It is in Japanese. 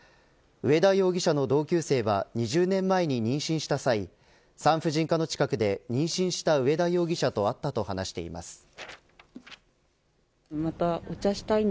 上田容疑者の同級生は２０年前に妊娠した際産婦人科の近くで妊娠した上田容疑者と会ったと話しています。